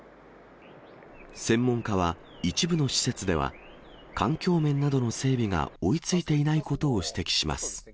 専門家は、一部の施設では、環境面などの整備が追いついていないことを指摘します。